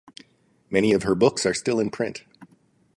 Many of her books are still in print.